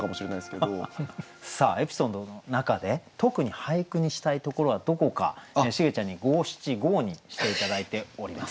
さあエピソードの中で特に俳句にしたいところはどこかシゲちゃんに五七五にして頂いております。